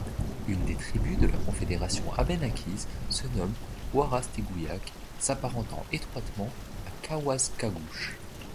Une des tribus de la confédération abénaquise se nomme Ouarastegouiak, s'apparentant étroitement à Kaouaskagouche.